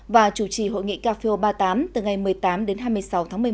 và chủ trì hội nghị cafeo ba mươi tám từ ngày một mươi tám đến hai mươi sáu tháng một mươi một